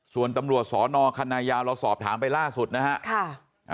ส่วนตำรวจสนคณะยาวเราสอบถามไปล่าสุดนะฮะ